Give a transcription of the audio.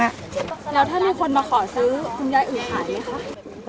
แล้วถ้ามีคนมาขอซื้อคุณยายอื่นขายไหมคะ